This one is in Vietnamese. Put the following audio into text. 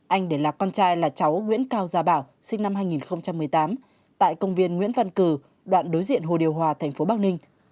anh để lạc con trai là cháu nguyễn cao gia bảo sinh năm hai nghìn một mươi tám tại công viên nguyễn văn cử đoạn đối diện hồ điều hòa thành phố bắc ninh